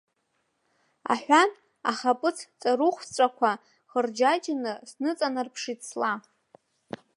Аҳәан, ахаԥыц ҵарыхәҵәақәа хырџьаџьаны сныҵанарԥшит сла.